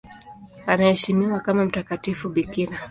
Anaheshimiwa kama mtakatifu bikira.